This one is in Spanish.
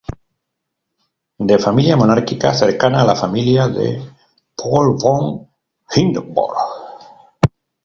De familia monárquica, cercana a la familia de Paul von Hindenburg.